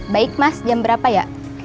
baik mas jam berapa ya